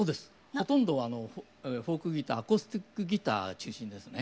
ほとんどフォークギターアコースティックギター中心ですね。